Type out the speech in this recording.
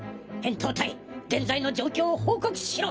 扁桃体現在の状況を報告しろ。